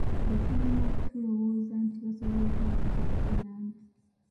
Be tulina tulowooza nti basobola okubaako kye batuyamba.